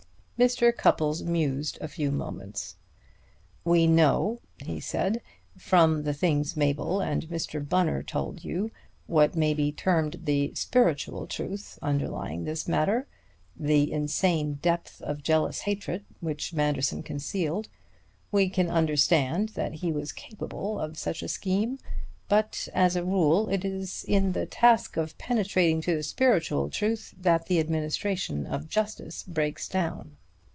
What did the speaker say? Mr. Cupples mused a few moments. "We know," he said, "from the things Mabel and Mr. Bunner told you what may be termed the spiritual truth underlying this matter: the insane depth of jealous hatred which Manderson concealed. We can understand that he was capable of such a scheme. But as a rule it is in the task of penetrating to the spiritual truth that the administration of justice breaks down.